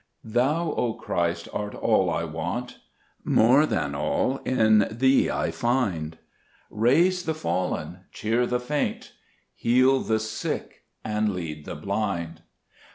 4 Thou, O Christ, art all I want ; More than all in Thee I find : Raise the fallen, cheer the faint, Heal the sick, and lead the blind.